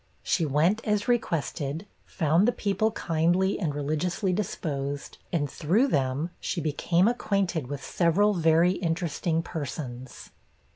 She went as requested, found the people kindly and religiously disposed, and through them she became acquainted with several very interesting persons.